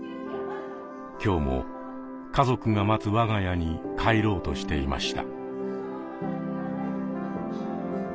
今日も家族が待つ我が家に帰ろうとしていました。